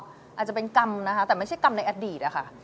อาจจะเป็นกรรมนะคะแต่ไม่ใช่กรรมในอดีตอะค่ะ